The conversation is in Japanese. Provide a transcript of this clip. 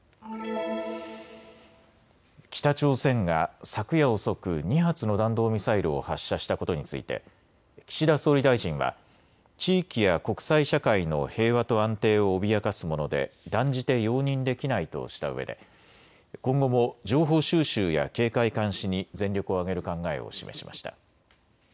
北朝鮮が昨夜遅く、２発の弾道ミサイルを発射したことについて岸田総理大臣は地域や国際社会の平和と安定を脅かすもので断じて容認できないとしたうえで今後も情報収集や警戒監視に全力を挙げる考えを示しました。